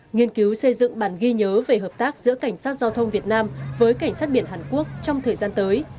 nghiên cứu xây dựng bản ghi nhớ về hợp tác giữa cảnh sát giao thông việt nam với cảnh sát biển hàn quốc trong thời gian tới